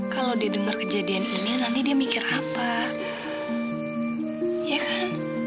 ketika dia mendengar kejadian ini apa yang akan dia pikirkan